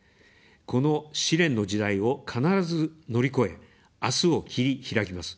この試練の時代を必ず乗り越え、あすを切り拓きます。